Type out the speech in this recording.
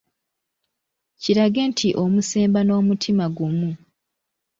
Kirage nti omusemba n'omutima gumu.